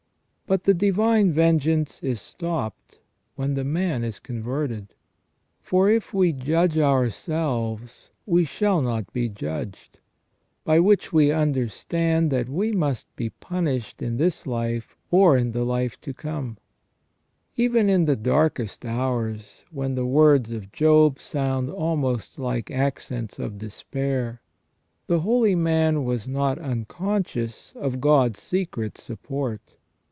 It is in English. But the divine vengeance is stopped when the man is converted, for if we judge ourselves AS UNVEILED IN THE BOOK OF JOB. 165 we shall not be judged \ by which we understand that we must be punished in this life or in the life to come." * Even in the darkest hours, when the words of Job sound almost like accents of despair, the holy man was not unconscious of God's secret support.